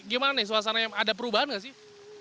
gimana nih suasana yang ada perubahan gak sih